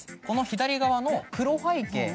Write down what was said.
この左側の黒背景。